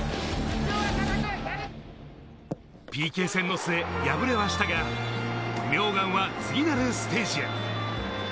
ＰＫ戦の末、敗れはしたが、名願は次なるステージへ。